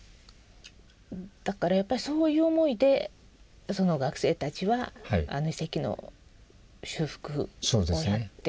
だからやっぱりそういう思いでその学生たちは遺跡の修復をやっておられるというか。